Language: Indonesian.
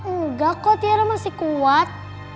enggak kok tiara masih kuat